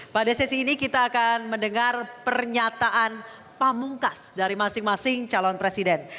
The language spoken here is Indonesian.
pada sesi ini kita akan mendengar pernyataan pamungkas dari masing masing calon presiden